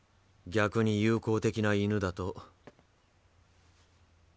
逆に友好的な犬だと。